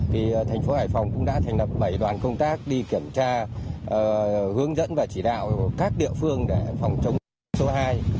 thì tp hải phòng cũng đã thành lập bảy đoàn công tác đi kiểm tra hướng dẫn và chỉ đạo các địa phương để phòng chống cơn bão số hai